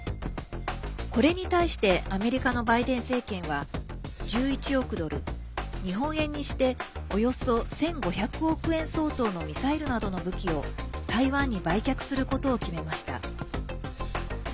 これに対してアメリカのバイデン政権は１１億ドル、日本円にしておよそ１５００億円相当のミサイルなどの武器を台湾に売却することを決めました。